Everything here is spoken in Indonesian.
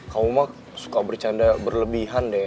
kamu mah suka bercanda berlebihan deh